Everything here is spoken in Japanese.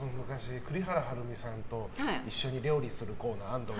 栗原はるみさんと一緒に料理するコーナー。